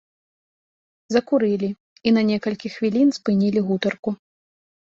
Закурылі і на некалькі хвілін спынілі гутарку.